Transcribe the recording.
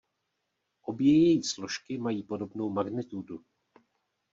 Obě její složky mají podobnou magnitudu.